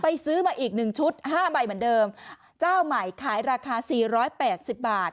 ซื้อมาอีกหนึ่งชุดห้าใบเหมือนเดิมเจ้าใหม่ขายราคาสี่ร้อยแปดสิบบาท